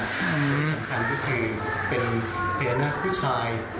สำคัญก็คือเป็นเพลงหน้าผู้ชาย